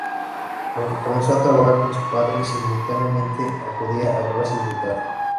Aunque comenzó a trabajar con su padre, simultáneamente acudía a clases de teatro.